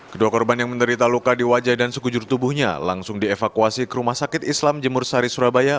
kedua korban yang menderita luka di wajah dan sekujur tubuhnya langsung dievakuasi ke rumah sakit islam jemur sari surabaya